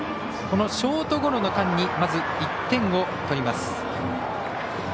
ショートゴロの間にまず１点を取ります。